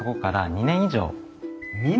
２年！？